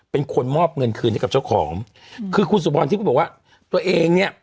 เป็นคนมอบเงินคืนให้กับเจ้าของคือคุณสุพรทิพย์บอกว่าตัวเองเนี้ย